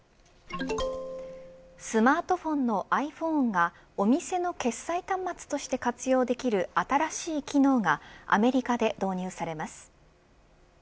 スマートフォンのｉＰｈｏｎｅがお店の決済端末として活用できる新しい機能がアメリカで導入されます。